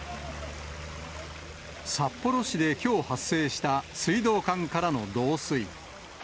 札幌市できょう発生した水道管からの漏水。